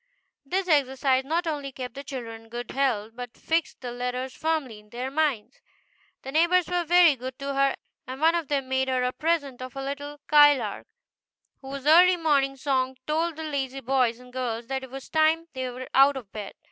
This exercise not only kept the children in good health, but fixed the letters firmly in their minds. The neighbors were very good to her, and one of them made her a present of a little skylark, whose early morning song told the lazy boys and girls that it was time they were out of bed.